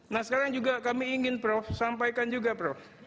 nah sekarang juga kami ingin prof sampaikan juga prof